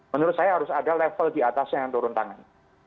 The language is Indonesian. menurut saya harus ada level diatasnya yang turun tangan